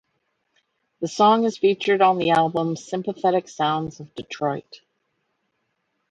The song is featured on the album "Sympathetic Sounds of Detroit".